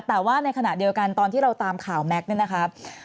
แต่ว่าในขณะเดียวกันตอนที่เราตามข่าวแม็กซ์เนี่ยนะครับ